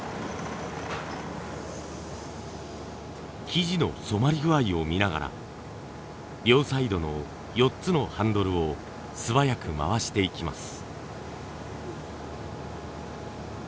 生地の染まり具合を見ながら両サイドの４つのハンドルを素早く回していきます。